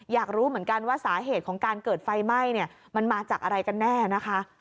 อยากรู้เหมือนกันว่าสาเหตุของการเกิดไฟไหม้เนี่ยมันมาจากอะไรกันแน่นะคะ